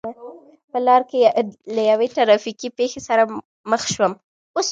په لار کې له یوې ترا فیکې پېښې سره مخ شوم.